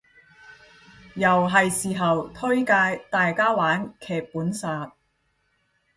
又係時候推介大家玩劇本殺